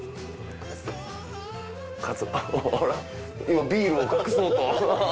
今ビールを隠そうと。